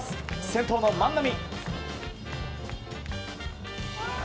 先頭の万波。